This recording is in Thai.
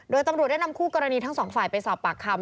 โดยตำรวจได้นำคู่กรณีทั้งสองฝ่ายไปสอบปากคำ